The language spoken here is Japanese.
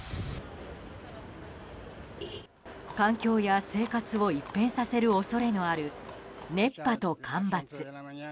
環境や生活を一変させる恐れのある、熱波と干ばつ。